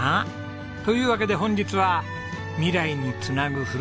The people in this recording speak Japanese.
というわけで本日は未来につなぐ故郷スペシャル。